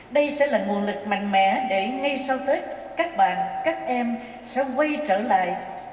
đây sẽ là nguồn lực mạnh mẽ để ngay sau tết các bạn các em sẽ quay trở lại